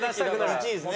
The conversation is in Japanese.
１位ですね。